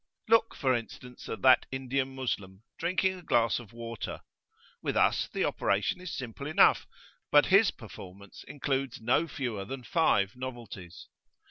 Look, for instance, at that Indian Moslem drinking a glass of water. With us the operation is simple enough, but his performance includes no fewer than five novelties.